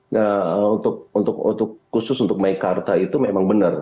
nah untuk untuk untuk khusus untuk mykarta itu memang benar